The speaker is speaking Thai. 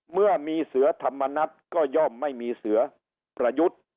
เมื่อมีเสือธรรมนัฏก็ย่อมไม่มีเสือประยุทธ์